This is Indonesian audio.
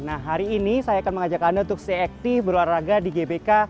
nah hari ini saya akan mengajak anda untuk stay active berwarna raga di gbk